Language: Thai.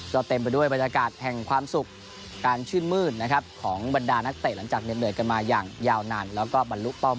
จะเต็มไปด้วยบริการแห่งความสุขการชื่นมืดนะครับ